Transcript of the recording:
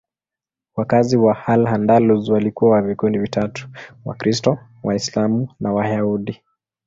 Wakazi wa Al-Andalus walikuwa wa vikundi vitatu: Wakristo, Waislamu na Wayahudi.